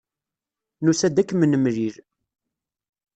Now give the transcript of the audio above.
Nusa-d ad kem-nemlil.